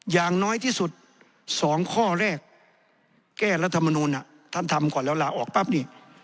อย่างน้อยที่สุด๒ข้อแรกแก้รัฐมนูลท่านทำก่อนแล้วลาออกปั๊บนี่